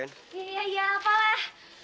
ya ya ya apalah